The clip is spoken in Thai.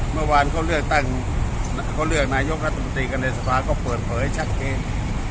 เมื่อวานเขาเลือกนายกราธบุตรกรรณสภาพก็เปิดเผยชักเอง